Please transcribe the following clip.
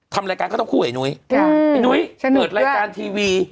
ทำรายการก็ต้องคู่ไอ้นุ้ยไอ้นุ้ยเกิดรายการทีวี